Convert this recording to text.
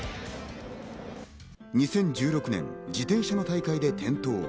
２０１６年、自転車の大会で転倒。